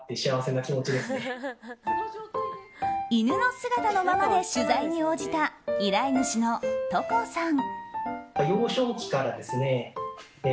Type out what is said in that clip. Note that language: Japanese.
犬の姿のままで取材に応じた依頼主のトコさん。